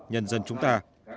nhân dân chúng ta